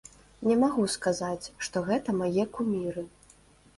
Не магу сказаць, што гэта мае куміры.